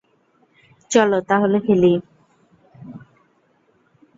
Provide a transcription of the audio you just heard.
চলো তাহলে খেলি।